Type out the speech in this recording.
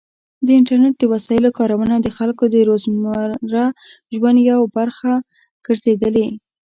د انټرنیټ د وسایلو کارونه د خلکو د روزمره ژوند یو مهم برخه ګرځېدلې.